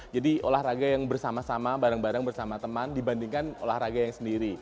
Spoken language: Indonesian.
jadi olahraga yang bersama sama bareng bareng bersama teman dibandingkan olahraga yang sendiri